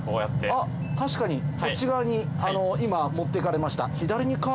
あっ確かにこっち側に今持って行かれました。